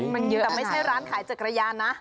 แต่ไม่ใช่ร้านขายจักรยานนะ